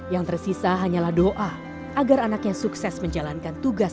yang tersisa hanyalah doa agar anaknya sukses menjalankan tugas